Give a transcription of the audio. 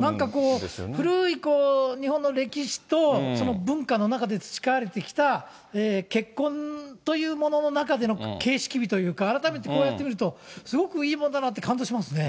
なんかこう、古い日本の歴史とその文化の中で培われてきた、結婚というものの中での形式美というか、改めてこうやって見ると、すごくいいものだなって、感動しますね。